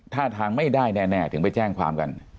ท่าทางไม่ได้แน่ถึงไปแจ้งความกัน